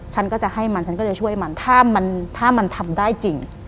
ฉันก็จะให้มันฉันก็จะช่วยมันถ้ามันถ้ามันทำได้จริง